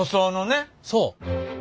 そう。